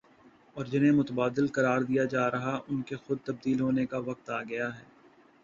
اور جنہیں متبادل قرار دیا جا رہا ان کے خود تبدیل ہونے کا وقت آ گیا ہے ۔